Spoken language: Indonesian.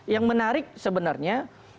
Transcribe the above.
yang menarik sebenarnya